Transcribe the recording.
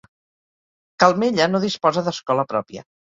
Calmella no disposa d'escola pròpia.